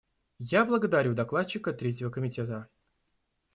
Я благодарю Докладчика Третьего комитета.